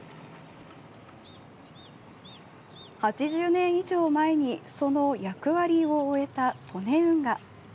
８０年以上前にその役割を終えた利根運河。